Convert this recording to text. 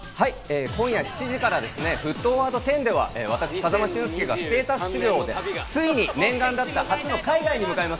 今夜７時から『沸騰ワード１０』では私、風間俊介がステータス修行でついに念願だった初の海外に向かいます。